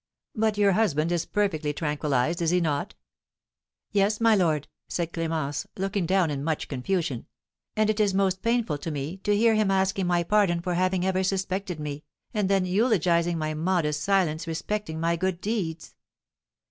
"But your husband is perfectly tranquillised, is he not?" "Yes, my lord," said Clémence, looking down in much confusion; "and it is most painful to me to hear him asking my pardon for having ever suspected me, and then eulogising my modest silence respecting my good deeds."